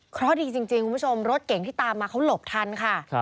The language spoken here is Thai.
เพราะดีจริงคุณผู้ชมรถเก่งที่ตามมาเขาหลบทันค่ะ